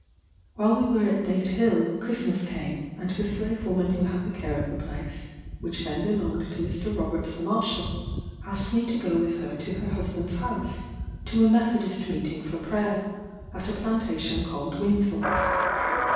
[Footnote 10: A dog is the 72nd part of a dollar.] While we were at Date Hill Christmas came; and the slave woman who had the care of the place (which then belonged to Mr. Roberts the marshal), asked me to go with her to her husband's house, to a Methodist meeting for prayer, at a plantation called Winthorps.